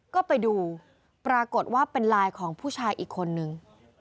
ก็ไปดูปรากฏว่าเป็นไลน์ของผู้ชายอีกคนนึง